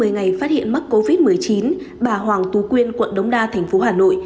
một mươi ngày phát hiện mắc covid một mươi chín bà hoàng tú quyên quận đống đa thành phố hà nội